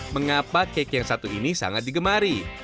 mengapa cake yang satu ini sangat digemari